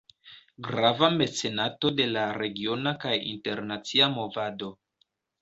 Grava mecenato de la regiona kaj internacia movado.